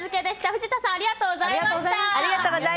藤田さんありがとうございました。